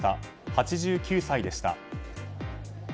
８９歳でした。